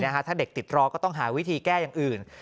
ถ้าเด็กติดรอก็ต้องหาวิธีแก้อย่างอื่น